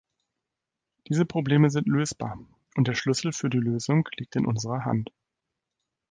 Diese Probleme sind lösbar, und der Schlüssel für die Lösung liegt in unserer Hand.